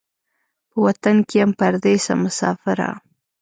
په وطن کې یم پردېسه مسافره